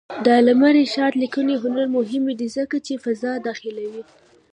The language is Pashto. د علامه رشاد لیکنی هنر مهم دی ځکه چې فضا داخلوي.